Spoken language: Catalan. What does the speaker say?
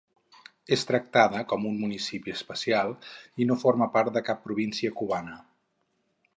És tractada com un municipi especial, i no forma part de cap província cubana.